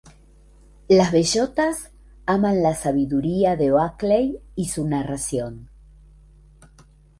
Las Bellotas aman la sabiduría de Oakley y su narración.